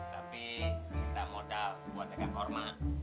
tapi cinta modal buat tega hormat